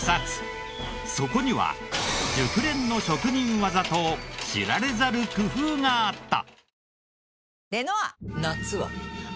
そこには熟練の職人技と知られざる工夫があった！